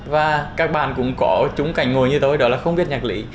và các bạn cũng có trúng cảnh ngồi như tôi đó là không biết nhạc lý